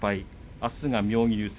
あすは妙義龍戦。